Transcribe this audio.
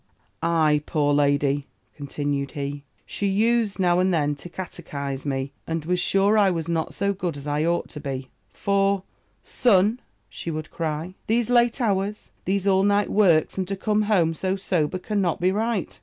"Ay, poor lady," continued he, "she used now and then to catechize me; and was sure I was not so good as I ought to be: 'For, son,' she would cry, 'these late hours, these all night works, and to come home so sober cannot be right.